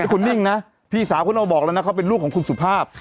คุณนิ่งนะพี่สาวคุณเอาบอกแล้วนะเขาเป็นลูกของคุณสุภาพ